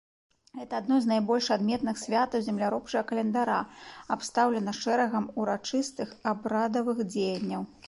Гэта адно з найбольш адметных святаў земляробчага календара, абстаўлена шэрагам урачыстых абрадавых дзеянняў.